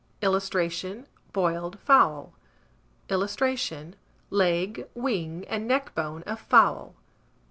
[Illustration: BOILED FOWL.] [Illustration: LEG, WING, AND NECKBONE OF FOWL.